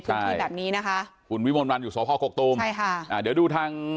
ที่แบบนี้นะคะคุณวิมลวันอยู่สพกกตูมใช่ค่ะอ่าเดี๋ยวดูทาง